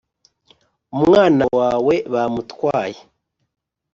umwana wawe bamutwaye